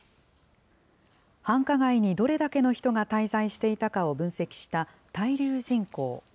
繁華街にどれだけの人が滞在していたかを分析した滞留人口。